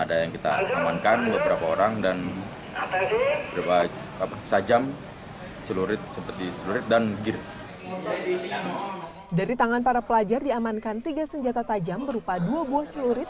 dari tangan para pelajar diamankan tiga senjata tajam berupa dua buah celurit